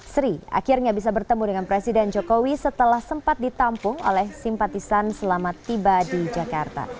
sri akhirnya bisa bertemu dengan presiden jokowi setelah sempat ditampung oleh simpatisan selamat tiba di jakarta